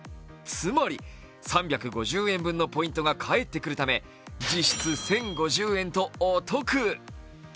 つまり、３５０円分のポイントが返ってくるため実質１０５０円とお得。